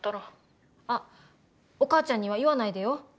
あっお母ちゃんには言わないでよ。